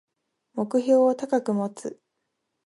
目標を高く持つ